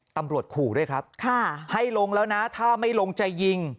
ตำรวจขู่ด้วยครับให้ลงแล้วนะถ้าไม่ลงจะยิง